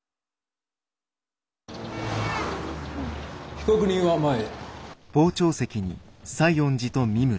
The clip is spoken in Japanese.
被告人は前へ。